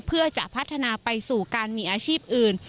เพื่อจะพัฒนาไปสู่การมีอาชีพอื่น